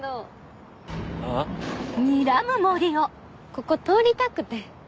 ここ通りたくて。